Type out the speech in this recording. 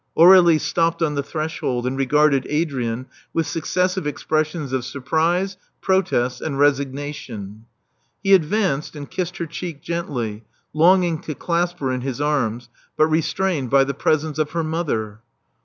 Aurdlie stopped on the threshold and regarded Adrian with successive expressions of surprise, protest and resignation. He advanced and kissed her cheek gently, longing to clasp her in his arms, but restrained by the presence of her mother.